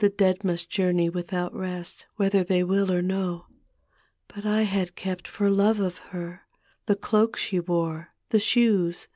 The dead must journey without rest Whether they will or no. But I had kept for love of her The cloak ^ wore, the shoes.